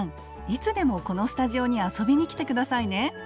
いつでもこのスタジオに遊びに来て下さいね。